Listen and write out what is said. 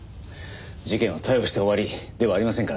事件は逮捕して終わりではありませんからね。